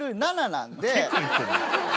結構いってる。